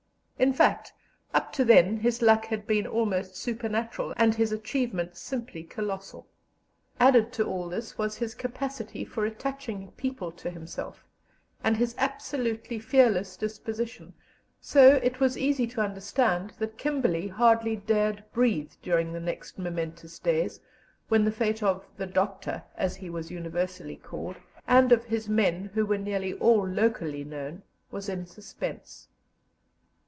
In fact, up to then his luck had been almost supernatural and his achievements simply colossal. Added to all this was his capacity for attaching people to himself, and his absolutely fearless disposition; so it is easy to understand that Kimberley hardly dared breathe during the next momentous days, when the fate of "the Doctor," as he was universally called, and of his men, who were nearly all locally known, was in suspense.